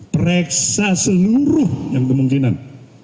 pereksa seluruh yang kemungkinan